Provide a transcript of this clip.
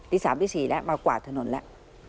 ตี๓๔มากวาดถนนแล้ว